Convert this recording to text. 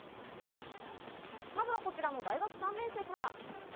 まずはこちらの大学３年生から。